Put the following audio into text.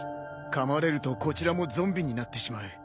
かまれるとこちらもゾンビになってしまう。